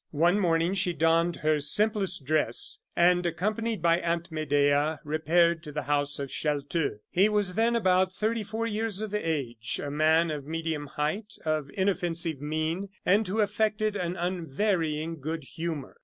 One morning she donned her simplest dress, and, accompanied by Aunt Medea, repaired to the house of Chelteux. He was then, about thirty four years of age, a man of medium height, of inoffensive mien, and who affected an unvarying good humor.